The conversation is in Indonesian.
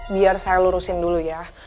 biar saya lurusin dulu ya